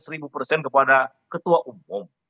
seribu persen kepada ketua umum